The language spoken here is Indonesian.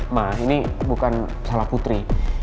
nah ini bukan salah putri